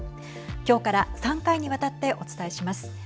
今日から３回にわたってお伝えします。